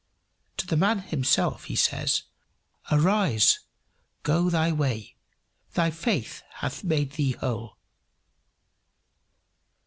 To the man himself he says, "Arise, go thy way; thy faith hath made thee whole."